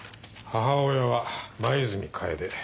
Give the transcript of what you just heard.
母親は黛かえで。